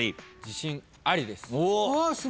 自信ありです。